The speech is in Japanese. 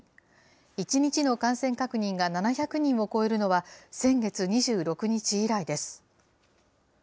１日の感染確認が７００人を超えるのは、先月２６日以来です。